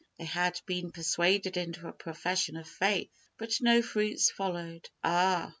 They had been persuaded into a profession of faith, but no fruits followed. Ah!